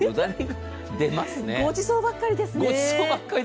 ごちそうばかりですね。